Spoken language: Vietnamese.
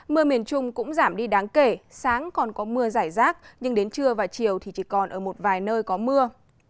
mưa miền trung cũng giảm đi đáng kể sáng còn có mưa giải rác nhưng đến trưa và chiều thì chỉ còn ở một vài nơi có mưa